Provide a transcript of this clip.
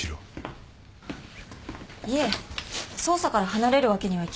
捜査から離れるわけにはいきません。